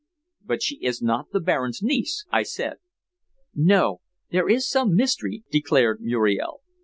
"But she is not the Baron's niece?" I said. "No. There is some mystery," declared Muriel.